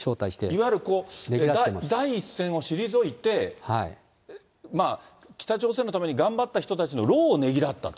いわゆる第一線を退いて、北朝鮮のために頑張った人たちの労をねぎらったと。